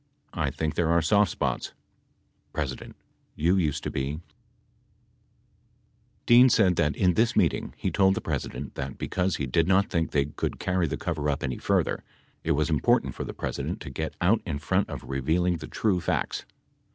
I think there are soft spots. P. You : used to be — [p. 203.] [Emphasis added.] 62 Dean said that in this meeting he told the President that, because he did not think they could carry the coverup any further, it was important for the President to get out in front in revealing the true facts.